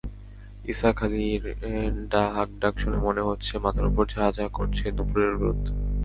ইসহাক আলীর হাঁকডাক শুনে মনে হচ্ছে, মাথার ওপর ঝাঁ ঝাঁ করছে দুপুরের রোদ।